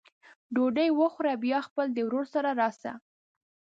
ډوډۍ وخوره بیا خپل د ورور سره راسه!